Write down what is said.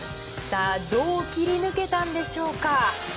さあどう切り抜けたんでしょうか。